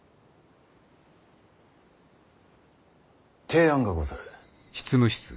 提案がござる。